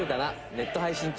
ネット配信中。